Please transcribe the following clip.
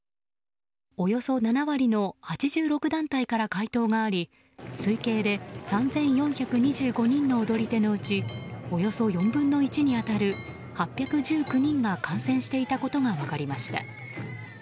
およそ７割の８６団体から回答があり推計で３４２５人の踊り手のうちおよそ４分の１に当たる８１９人が感染していたことが分かりました。